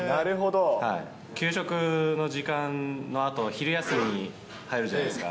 給食の時間のあと、昼休みに入るじゃないですか。